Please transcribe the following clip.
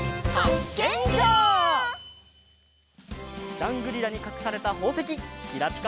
ジャングリラにかくされたほうせききらぴか